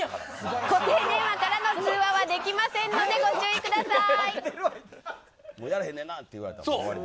固定電話からの通話はできませんのでご注意ください。